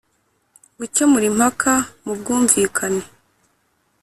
Gukemura impaka mu bwumvikane